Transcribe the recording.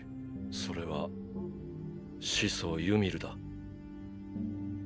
それは始祖ユミルだ。